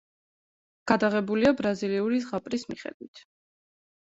გადაღებულია ბრაზილიური ზღაპრის მიხედვით.